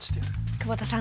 久保田さん